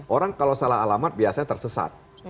orang kalau salah alamat biasanya tersesat